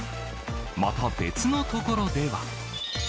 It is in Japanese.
また、別の所では。